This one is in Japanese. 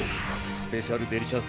スペシャルデリシャス